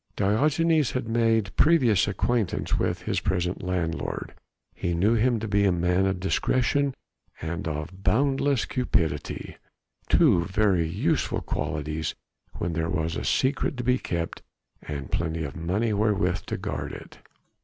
Diogenes had made previous acquaintance with his present landlord; he knew him to be a man of discretion and of boundless cupidity, two very useful qualities when there is a secret to be kept and plenty of money wherewith to guard it.